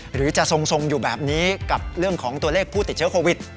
หรือจะทรงอยู่แบบนี้กับเรื่องของตัวเลขผู้ติดเชื้อโควิด